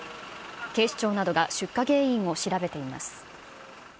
警視庁などが出火原因を調べています。